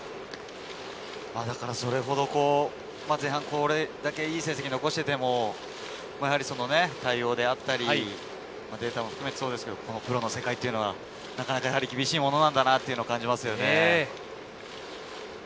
それほど前半これだけいい成績残していても対応だったり、データも含めてそうですが、プロの世界はなかなか厳しいものなんだなと感じますね。